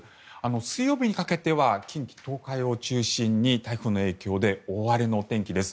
水曜日にかけては近畿・東海を中心に台風の影響で大荒れのお天気です。